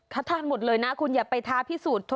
ถ้าทานหมดเลยนะคุณอย่าไปท้าพี่สูร